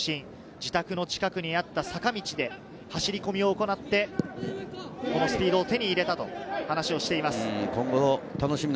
自宅の近くにあった坂道で走り込みを行って、スピードを手に入れたという話をしていました。